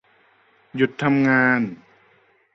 หยุดทำงาน